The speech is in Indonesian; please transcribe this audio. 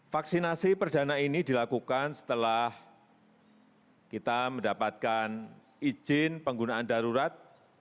vaksinasi perdana ini dilakukan setelah kita mendapatkan izin penggunaan darurat